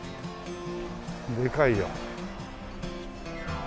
でかいよ。